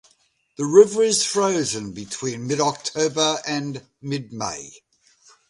The river is frozen between mid October and mid May.